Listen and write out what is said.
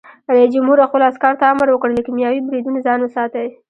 رئیس جمهور خپلو عسکرو ته امر وکړ؛ له کیمیاوي بریدونو ځان وساتئ!